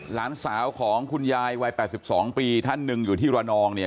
หลานสาวของคุณยายวัย๘๒ปีท่านหนึ่งอยู่ที่ระนองเนี่ย